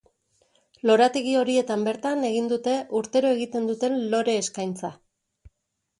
Lorategi horietan bertan egin dute urtero egiten duten lore-eskaintza.